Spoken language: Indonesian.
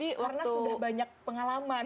karena sudah banyak pengalaman